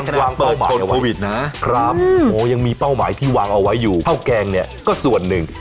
ระวังเป้าหมายโควิดนะครับโอ้ยังมีเป้าหมายที่วางเอาไว้อยู่ข้าวแกงเนี่ยก็ส่วนหนึ่ง